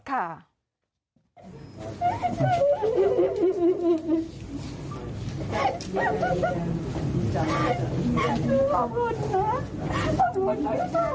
ขอบคุณค่ะขอบคุณค่ะ